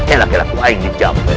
elah elah aku ingin jawab